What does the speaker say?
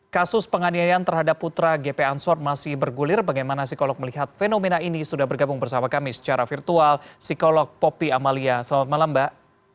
kasus penganiayaan terhadap putra gp ansor masih bergulir bagaimana psikolog melihat fenomena ini sudah bergabung bersama kami secara virtual psikolog popi amalia selamat malam mbak